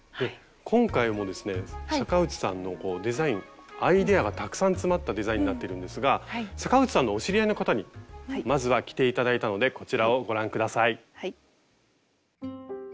今回もですね坂内さんのデザインアイデアがたくさん詰まったデザインになってるんですが坂内さんのお知り合いの方にまずは着て頂いたのでこちらをご覧下さい。